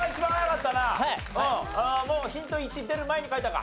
もうヒント１出る前に書いたか。